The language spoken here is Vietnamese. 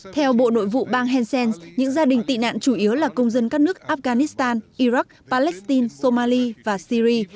theo bộ nội vụ bang hessen những gia đình tị nạn chủ yếu là công dân các nước afghanistan iraq palestine somali và syri